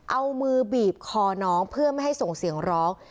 เอามือบีบคอน้องเพื่อไม่ให้ส่งเสียงร้อง